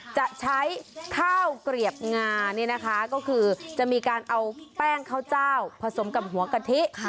จะใช้ข้าวเกลียบงาเนี่ยนะคะก็คือจะมีการเอาแป้งข้าวเจ้าผสมกับหัวกะทิ